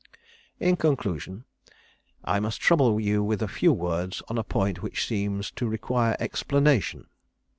"In conclusion, I must trouble you with a few words on a point which seems to require explanation.